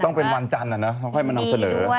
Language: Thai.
ต้องเป็นวันจันทร์เขาค่อยมานำเสนอ